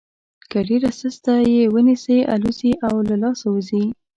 که ډېره سسته یې ونیسئ الوزي او له لاسه وځي.